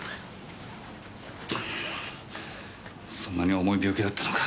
そんなに重い病気だったのか。